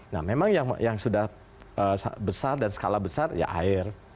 nah memang yang sudah besar dan skala besar ya air